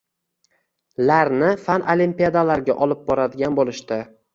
larni fan olimpiadalariga olib boradigan boʻlishdi.